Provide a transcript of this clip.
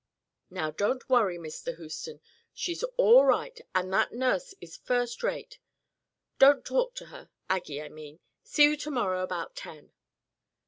"Now don't worry, Mr. Houston. She's all right, and that nurse is first rate. Don't talk to her. Aggie, I mean. See you to morrow about ten."